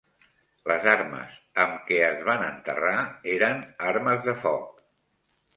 Les armes amb què es van enterrar eren armes de foc.